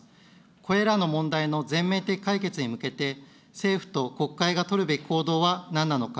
これらの問題の全面的解決に向けて、政府と国会が取るべき行動はなんなのか。